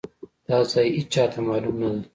دا ځای ايچاته مالوم ندی.